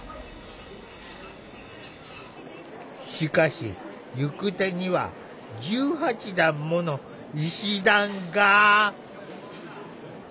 しかし行く手には１８段もの石段が。